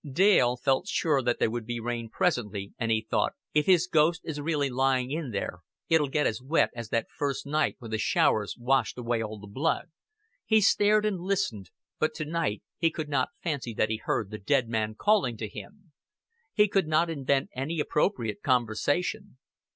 Dale felt sure that there would be rain presently, and he thought: "If his ghost is really lying in there, it'll get as wet as that first night when the showers washed away all the blood." He stared and listened, but to night he could not fancy that he heard the dead man calling to him. He could not invent any appropriate conversation.